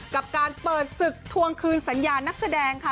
กับการเปิดศึกทวงคืนสัญญานักแสดงค่ะ